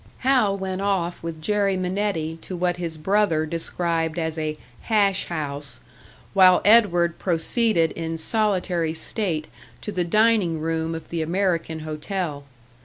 Hal went off with Jerry Minetti to what his brother described as a "hash house," while Edward proceeded in solitary state to the dining room of the American Hotel.